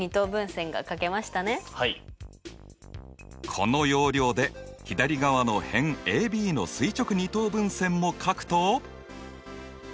この要領で左側の辺ＡＢの垂直二等分線も書くと。